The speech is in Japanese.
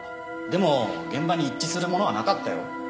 でも現場に一致するものはなかったよ。